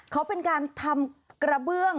เขาเป็นการทำกระเบื้อง